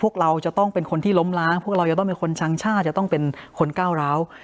พวกเราจะต้องเป็นคนที่ล้มล้างพวกเราจะต้องเป็นคนช่างชาติจะต้องเป็นคนก้าวร้าว